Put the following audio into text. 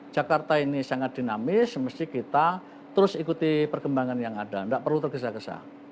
jakarta ini sangat dinamis mesti kita terus ikuti perkembangan yang ada tidak perlu tergesa gesa